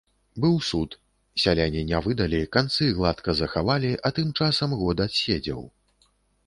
Быў суд, сяляне не выдалі, канцы гладка захавалі, а тым часам год адседзеў.